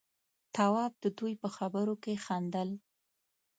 تواب د دوي په خبرو کې خندل.